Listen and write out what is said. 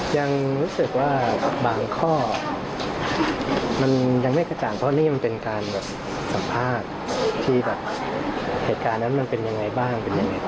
ยังรู้สึกว่าบางข้อมันยังไม่กระจ่างเพราะนี่มันเป็นการแบบสัมภาษณ์ที่แบบเหตุการณ์นั้นมันเป็นยังไงบ้างเป็นยังไง